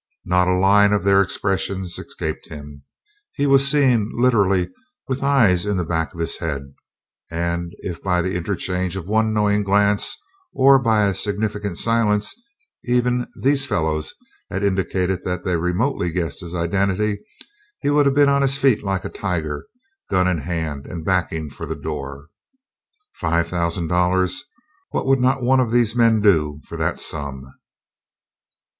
Not a line of their expressions escaped him. He was seeing, literally, with eyes in the back of his head; and if, by the interchange of one knowing glance, or by a significant silence, even, these fellows had indicated that they remotely guessed his identity, he would have been on his feet like a tiger, gun in hand, and backing for the door. Five thousand dollars! What would not one of these men do for that sum?